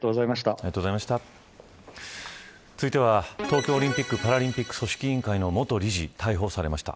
続いては東京オリンピック・パラリンピック組織委員会の元理事、逮捕されました。